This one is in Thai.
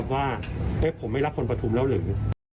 ว่าผมไม่รักคนปฐุมแล้วหรือ